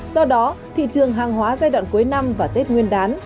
do đó thị trường hàng hóa giai đoạn cuối năm và tết nguyên đán